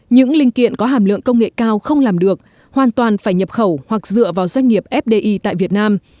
những linh kiện có hàm lượng công nghệ cao không làm được hoàn toàn phải nhập khẩu hoặc dựa vào doanh nghiệp fdi tại việt nam